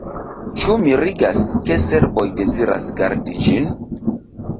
Ĉu mirigas, ke serboj deziras gardi ĝin?